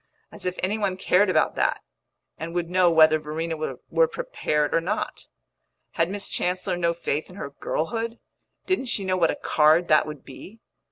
as if any one cared about that, and would know whether Verena were prepared or not! Had Miss Chancellor no faith in her girlhood? didn't she know what a card that would be?